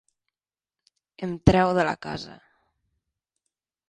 Em treu de la casa...